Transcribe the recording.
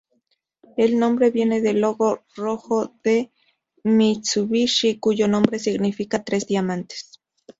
El nombre viene del logo rojo de Mitsubishi, cuyo nombre significa "tres diamantes".